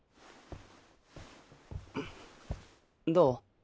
どう？